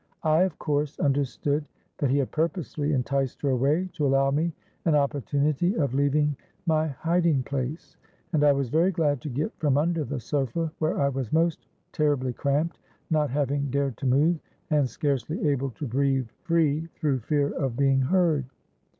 I of course understood that he had purposely enticed her away to allow me an opportunity of leaving my hiding place; and I was very glad to get from under the sofa, where I was most terribly cramped, not having dared to move, and scarcely able to breathe free through fear of being heard.